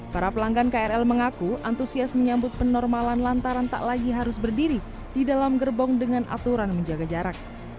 para pelanggan krl mengaku antusias menyambut penormalan lantaran tak lagi harus berdiri di dalam gerbong dengan aturan menjaga jarak